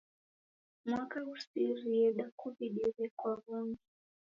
Mwaka ghusirie dakuw'idire kwa w'ungi.